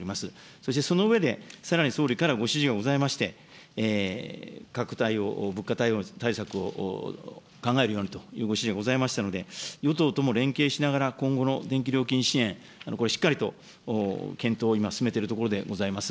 そしてその上で、さらに総理からご指示がございまして、価格対応、物価対策を考えるようにというご指示がございましたので、与党とも連携しながら、今後の電気料金支援、これ、しっかりと検討を今、進めているところでございます。